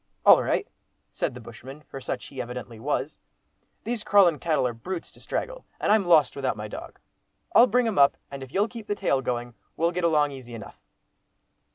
"All right," said the bushman, for such he evidently was; "these crawlin' cattle are brutes to straggle, and I'm lost without my dog. I'll bring 'em up, and if you'll keep the tail going, we'll get along easy enough."